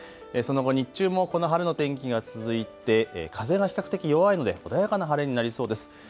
その後、日中もこの春の天気が続いて風は比較的弱いので穏やかな晴れになりそうです。